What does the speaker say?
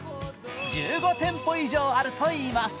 １５店舗以上あるといいます。